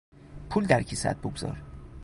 پول در کیسهات بگذار!